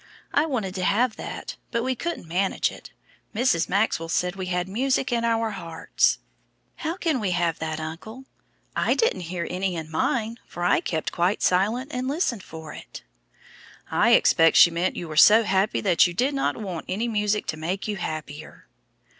I wanted to have that, but we couldn't manage it. Mrs. Maxwell said we had music in our hearts; how can we have that, uncle? I didn't hear any in mine, for I kept silent and listened for it." "I expect she meant you were so happy that you did not want any music to make you happier."